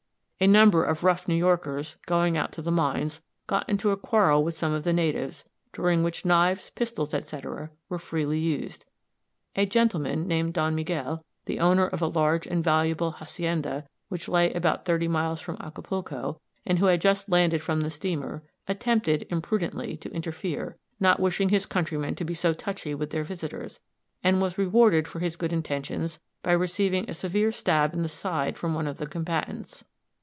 A number of rough New Yorkers, going out to the mines, got into a quarrel with some of the natives, during which knives, pistols, etc., were freely used. A gentleman, named Don Miguel, the owner of a large and valuable hacienda which lay about thirty miles from Acapulco, and who had just landed from the steamer, attempted, imprudently, to interfere, not wishing his countrymen to be so touchy with their visitors, and was rewarded for his good intentions by receiving a severe stab in the side from one of the combatants.